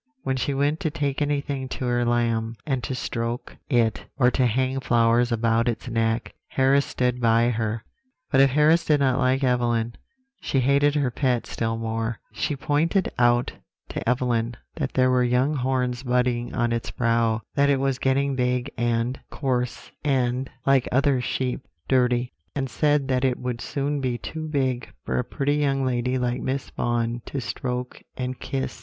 When she went to take anything to her lamb, and to stroke it, or to hang flowers about its neck, Harris stood by her. But if Harris did not like Evelyn, she hated her pet still more; she pointed out to Evelyn that there were young horns budding on its brow; that it was getting big and coarse, and, like other sheep, dirty; and said that it would soon be too big for a pretty young lady like Miss Vaughan to stroke and kiss.